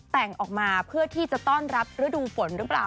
แต่งออกมาเพื่อที่จะต้อนรับฤดูฝนหรือเปล่า